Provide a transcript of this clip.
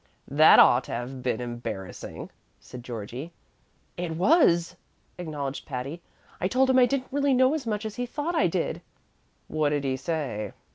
"That ought to have been embarrassing," said Georgie. "It was," acknowledged Patty. "I told him I didn't really know as much as he thought I did." "What did he say?"